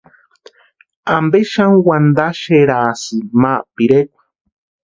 ¿Ampe xani wantaxerasïni ma pirekwa?